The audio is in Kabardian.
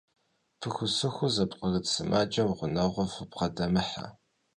Пыхусыху зыпкъырыт сымаджэм гъунэгъуу фыбгъэдэмыхьэ.